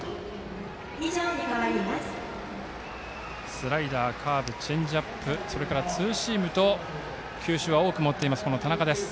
スライダー、カーブチェンジアップそれからツーシームと球種は多く持っている田中。